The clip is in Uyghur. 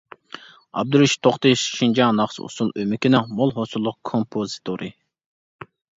ئابدۇرېشىت توختى: شىنجاڭ ناخشا-ئۇسسۇل ئۆمىكىنىڭ مول ھوسۇللۇق كومپوزىتورى.